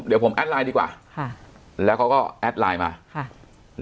เดี๋ยวผมแอดไลน์ดีกว่าค่ะแล้วเขาก็แอดไลน์มาค่ะ